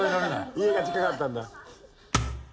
家が近かったんだ。